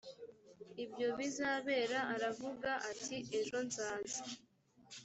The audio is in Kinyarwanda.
ibyo bizabera aravuga ati ejo nzaza